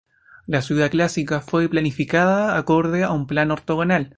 La ciudad clásica fue planificada acorde a un plano ortogonal.